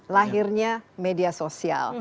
lahirnya media sosial